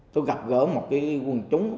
tôi gặp gỡ một quần chúng